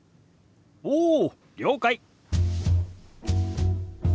おお了解！